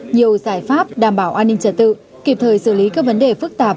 nhiều giải pháp đảm bảo an ninh trật tự kịp thời xử lý các vấn đề phức tạp